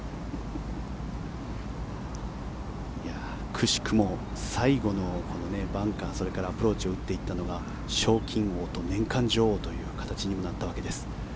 くしくも最後のバンカーそれからアプローチを打っていったのが賞金王と年間女王という形にもなったわけです。